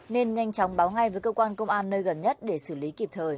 nên nhanh chóng báo ngay với cơ quan công an nơi gần nhất để xử lý kịp thời